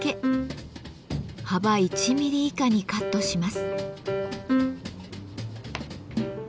幅１ミリ以下にカットします。